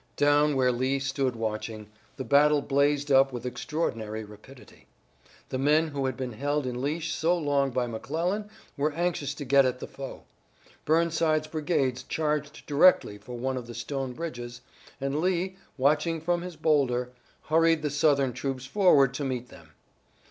Down where Lee stood watching, the battle blazed up with extraordinary rapidity. The men who had been held in leash so long by McClellan were anxious to get at the foe. Burnside's brigades charged directly for one of the stone bridges, and Lee, watching from his bowlder, hurried the Southern troops forward to meet them.